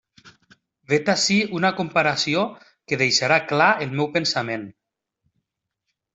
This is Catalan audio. Vet ací una comparació que deixarà clar el meu pensament.